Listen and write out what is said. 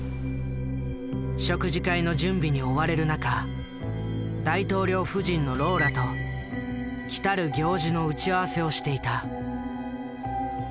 食事会の準備に追われる中大統領夫人のローラときたる行事の打ち合わせをしていた。